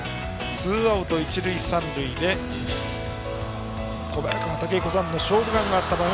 ツーアウト、一塁三塁で小早川毅彦さんの「勝負眼」があった場面